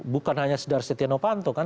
bukan hanya saudara stenovanto kan